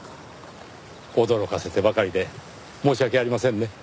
驚かせてばかりで申し訳ありませんね。